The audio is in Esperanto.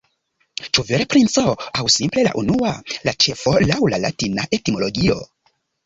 Ĉu vere princo, aŭ simple la unua, la ĉefo, laŭ la latina etimologio?